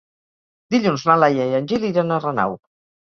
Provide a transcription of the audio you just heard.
Dilluns na Laia i en Gil iran a Renau.